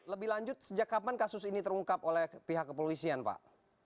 lebih lanjut sejak kapan kasus ini terungkap oleh pihak kepolisian pak